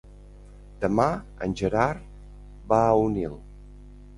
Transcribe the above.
Demà en Gerard va a Onil.